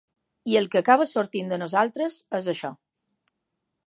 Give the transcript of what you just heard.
I el que acaba sortint de nosaltres és això.